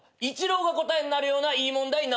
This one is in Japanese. イチローが答えになるようないい問題